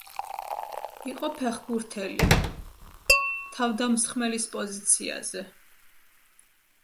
იყო ფეხბურთელი, თავდამსხმელის პოზიციაზე.